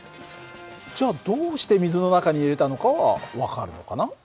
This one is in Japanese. じゃあどうして水の中に入れたのかは分かるのかな？